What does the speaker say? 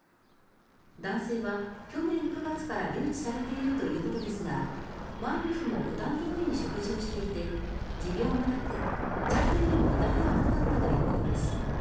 男性は去年９月から留置されているということですが前の日も普段どおりに食事をしていて持病もなく、着衣にも乱れはなかったということです。